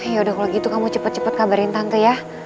yaudah kalau gitu kamu cepet cepet kabarin tante ya